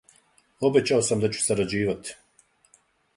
Обећао сам да ћу сарађивати .